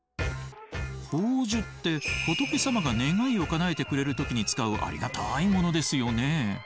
宝珠って仏様が願いをかなえてくれる時に使うありがたいものですよね。